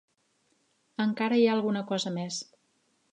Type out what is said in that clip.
Encara hi ha alguna cosa més.